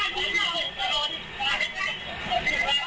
ไปฟังความจากเพื่อนบ้านบอกว่า